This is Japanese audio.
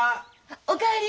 お帰り！